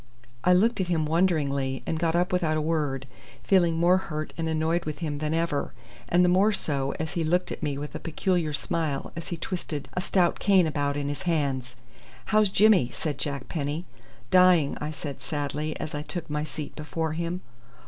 I looked at him wonderingly, and got up without a word, feeling more hurt and annoyed with him than ever, and the more so as he looked at me with a peculiar smile as he twisted a stout cane about in his hands. "How's Jimmy?" said Jack Penny. "Dying," I said sadly, as I took my seat before him.